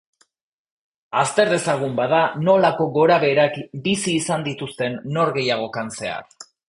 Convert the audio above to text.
Azter dezagun, bada, nolako gorabeherak bizi izan dituzten norgehiagokan zehar.